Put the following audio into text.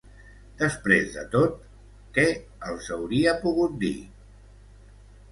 Després de tot, què els hauria pogut dir?